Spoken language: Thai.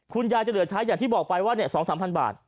คุณยายจะเหลือใช้อย่างที่บอกไปว่า๒๐๐๐๓๐๐๐บาท